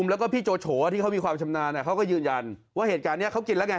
แล้วก็พี่โจโฉที่เขามีความชำนาญเขาก็ยืนยันว่าเหตุการณ์นี้เขากินแล้วไง